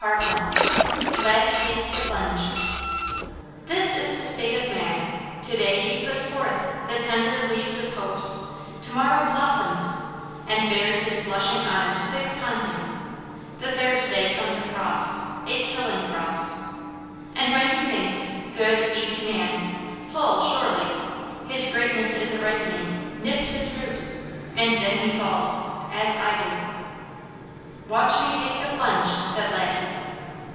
CHAPTER X Laddie Takes the Plunge "This is the state of man: to day he puts forth The tender leaves of hopes; to morrow blossoms, And bears his blushing honors thick upon him; The third day comes a frost, a killing frost, And, when he thinks, good, easy man, full surely His greatness is a ripening, nips his root, And then he falls, as I do." "Watch me take the plunge!" said Laddie.